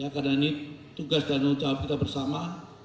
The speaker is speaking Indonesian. karena ini tugas dan menjawab kita bersama